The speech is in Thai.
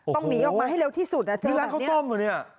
ต้องหนีออกมาให้เร็วที่สุดนะเจอแบบนี้นี่ร้านเขาต้มหรือเนี่ย